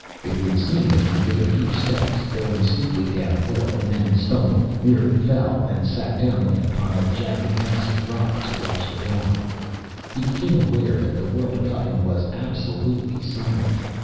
It would seem that he made a few steps, going steeply downhill, and then stumbled, nearly fell, and sat down again upon a jagged mass of rock to watch the dawn. He became aware that the world about him was absolutely silent.